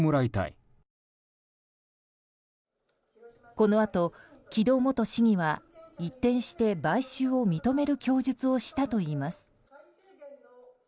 このあと木戸元市議は一転して買収を認める供述をしたといいます。